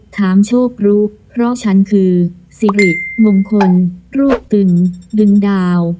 ถามโชครู้เพราะฉันคือสิริมงคลรวบตึงดึงดาว